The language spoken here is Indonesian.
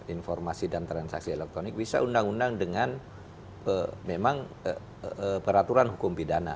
informasi dan transaksi elektronik bisa undang undang dengan memang peraturan hukum pidana